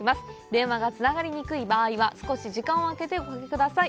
電話がつながりにくい場合は少し時間をあけておかけください。